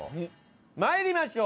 参りましょう！